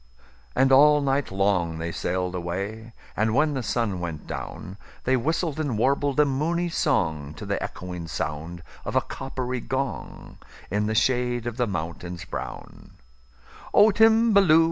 And all night long they sail'd away; And, when the sun went down, They whistled and warbled a moony songTo the echoing sound of a coppery gong, In the shade of the mountains brown,"O Timballoo!